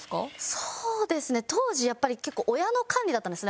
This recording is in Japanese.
そうですね当時やっぱり結構親の管理だったんですね